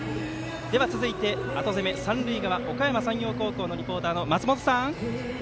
続いて後攻め三塁側、おかやま山陽のリポーターの松本さん。